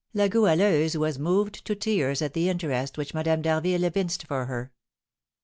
La Goualeuse was moved to tears at the interest which Madame d'Harville evinced for her.